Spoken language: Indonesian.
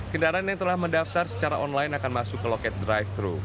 kendaraan yang telah mendaftar secara online akan masuk ke loket drive thru